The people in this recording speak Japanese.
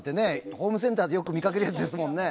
ホームセンターでよく見かけるやつですもんね。